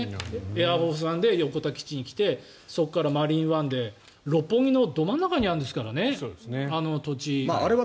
エアフォース・ワンで横田基地に来てそこからマリーン・ワンで六本木のど真ん中にあるんですからね、あの土地は。